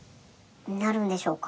なるんでしょうか。